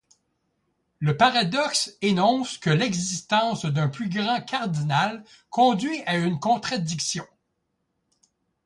Le paradoxe énonce que l'existence d'un plus grand cardinal conduit à une contradiction.